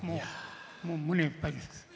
もう胸いっぱいです。